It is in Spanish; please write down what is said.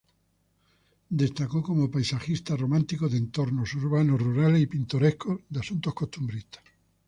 Destacó como paisajista romántico de entornos urbanos, rurales y pintorescos de asunto costumbrista.